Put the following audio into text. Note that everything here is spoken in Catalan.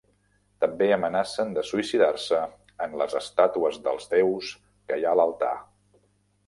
També amenacen de suïcidar-se en les estàtues dels déus que hi ha a l'altar.